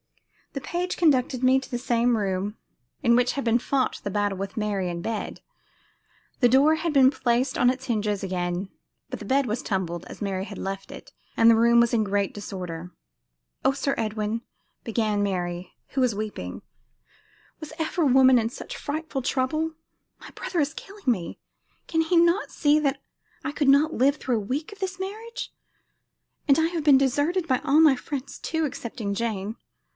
The page conducted me to the same room in which had been fought the battle with Mary in bed. The door had been placed on its hinges again, but the bed was tumbled as Mary had left it, and the room was in great disorder. "Oh, Sir Edwin," began Mary, who was weeping, "was ever woman in such frightful trouble? My brother is killing me. Can he not see that I could not live through a week of this marriage? And I have been deserted by all my friends, too, excepting Jane.